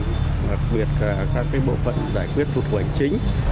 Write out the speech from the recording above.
đặc biệt các bộ phận giải quyết thuật quản chính